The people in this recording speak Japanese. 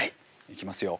いきますよ。